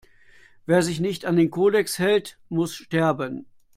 Wer sich nicht an den Kodex hält, muss sterben!